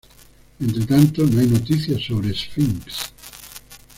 Entre tanto, no hay noticias sobre Sphinx.